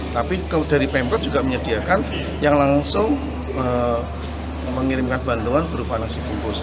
tapi dari pemprov juga menyediakan yang langsung mengirimkan bantuan berupa nasi bungkus